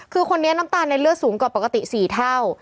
คือคนนี้น้ำตาลในเลือดสูงกว่าปกติ๔เท่า